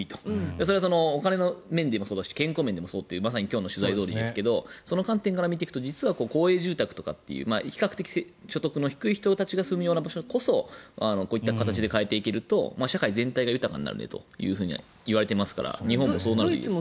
それはお金の面でもそうだし健康面でもそうだというまさに今日の取材どおりですがその観点から見ていくと実は公営住宅とかっていう比較的、所得の低い人たちが住む場所こそこういった形で変えていただけると社会全体で豊かになるねと言われてますから日本もそうなるといいですね。